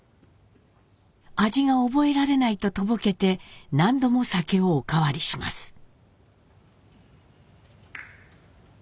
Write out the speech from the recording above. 味が覚えられないととぼけて何度も酒をおかわりします。